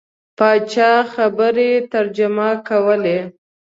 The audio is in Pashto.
پاچا خبرې ترجمه کولې.